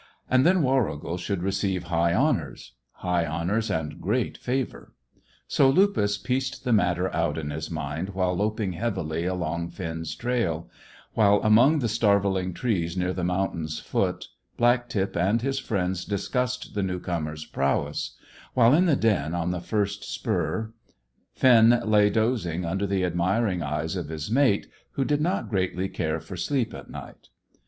And then Warrigal should receive high honours; high honours and great favour. So Lupus pieced the matter out in his mind while loping heavily along Finn's trail; while among the starveling trees near the mountain's foot, Black tip and his friends discussed the new comer's prowess; while in the den on the first spur Finn lay dozing under the admiring eyes of his mate, who did not greatly care for sleep at night.